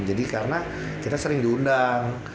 jadi karena kita sering diundang